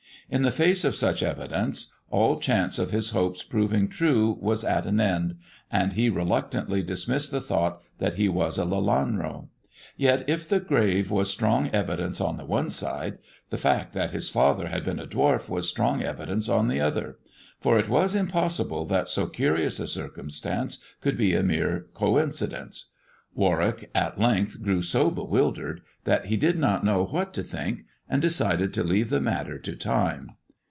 In the face of such evidence, all chance of his hopes proving true was at an end, and he reluctantly dismissed the thought that he was a Lelanro. Yet if the grave was strong evidence on the one side, the fact that his father had been a dwarf was strong evidence on the other ; for it was impossible that so curious a circumstance could be a mere coincidence. Warwick at length grew so bewildered that he did not know what to think, and decided to leave the matter to time.